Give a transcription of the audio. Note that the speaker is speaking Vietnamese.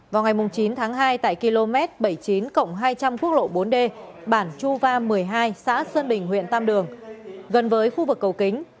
vào ngày chín tháng hai tại km bảy mươi chín hai trăm linh quốc lộ bốn d bản chu va một mươi hai xã sơn bình huyện tam đường gần với khu vực cầu kính